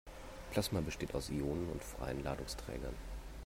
Plasma besteht aus Ionen und freien Ladungsträgern.